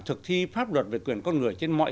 thực thi pháp luật về quyền con người trên mọi